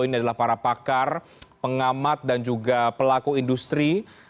ini adalah para pakar pengamat dan juga pelaku industri